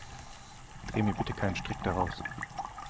Dreh mir bitte keinen Strick daraus.